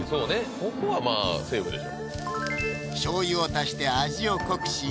ここはまぁセーフでしょ